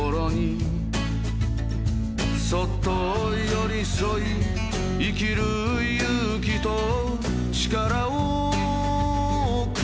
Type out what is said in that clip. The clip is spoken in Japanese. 「そっと寄り添い生きる勇気とちからをくれる」